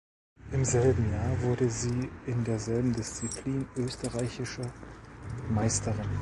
Im selben Jahr wurde sie in derselben Disziplin österreichische Meisterin.